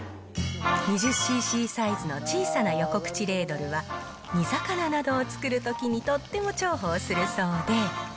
２０ｃｃサイズの小さな横口レードルは、煮魚などを作るときにとっても重宝するそうで。